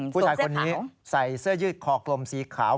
ผู้ชายคนนี้ใส่เสื้อยืดคอกลมสีขาว